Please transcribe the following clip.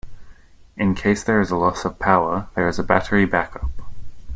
In case there is a loss of power, there is a battery backup.